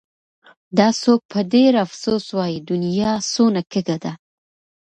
دا څوک په ډېر افسوس وايي : دنيا څونه کږه ده